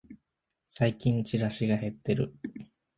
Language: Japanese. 最近チラシが減ってる